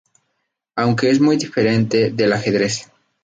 Aunque es muy diferente del ajedrez.